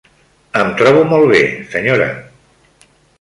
Em trobo molt bé, senyora.